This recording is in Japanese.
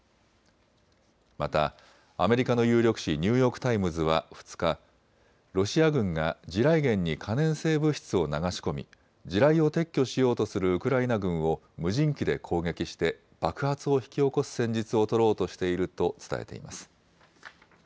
またアメリカの有力紙、ニューヨーク・タイムズは２日、ロシア軍が地雷原に可燃性物質を流し込み地雷を撤去しようとするウクライナ軍を無人機で攻撃して爆発を引き起こす戦術を取ろうとしていると伝えています。